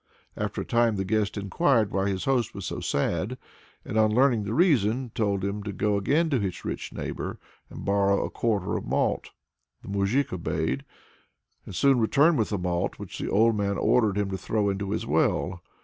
After a time the guest enquired why his host was so sad, and on learning the reason, told him to go again to his rich neighbor and borrow a quarter of malt. The moujik obeyed, and soon returned with the malt, which the old man ordered him to throw into his well.